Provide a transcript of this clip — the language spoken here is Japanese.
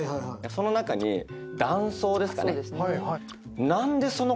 その中に男装ですかね。